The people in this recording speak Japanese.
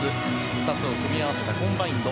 ２つを組み合わせたコンバインド。